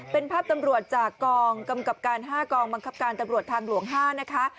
เป็นภาพตำรวจจากกองกำกับการ๕กองบังคับการตำรวจทางหลวง๕นะคะ